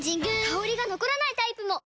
香りが残らないタイプも！